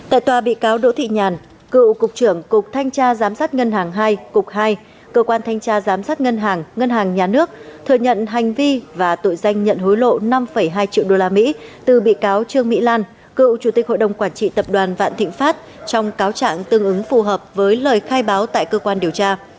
tại tòa bị cáo đỗ thị nhàn cựu cục trưởng cục thanh tra giám sát ngân hàng hai cục hai cơ quan thanh tra giám sát ngân hàng ngân hàng nhà nước thừa nhận hành vi và tội danh nhận hối lộ năm hai triệu usd từ bị cáo trương mỹ lan cựu chủ tịch hội đồng quản trị tập đoàn vạn thịnh pháp trong cáo trạng tương ứng phù hợp với lời khai báo tại cơ quan điều tra